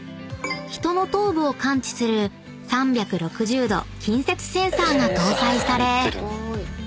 ［人の頭部を感知する３６０度近接センサーが搭載され］